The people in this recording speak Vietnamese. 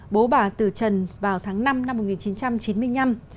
bố bà từ trần vào tháng năm năm một nghìn chín trăm chín mươi năm